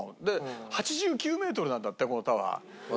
８９メートルなんだってこのタワー。